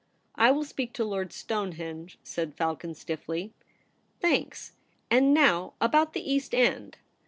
' I will speak to Lord Stonehenge,' said Falcon stiffly. ' Thanks. And now about the East End.'